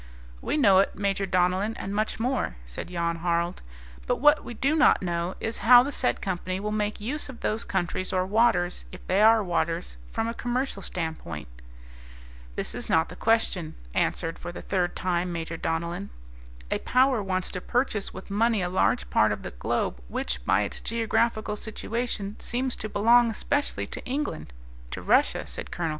"We know it, Major Donellan, and much more," said Jan Harald. "But what we do not know is how the said company will make use of those countries or waters, if they are waters, from a commercial standpoint." "This is not the question," answered for the third time Major Donellan. "A power wants to purchase with money a large part of the globe which, by its geographical situation, seems to belong especially to England" "to Russia," said Col.